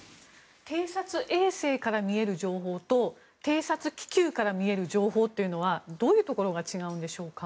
偵察衛星から見える情報と偵察気球から見える情報というのはどういうところが違うんでしょうか。